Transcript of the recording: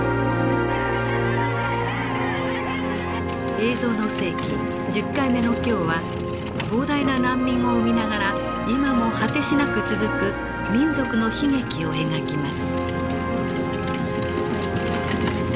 「映像の世紀」１０回目の今日は膨大な難民を生みながら今も果てしなく続く民族の悲劇を描きます。